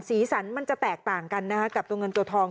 สีสันมันจะแตกต่างกันนะคะกับตัวเงินตัวทอง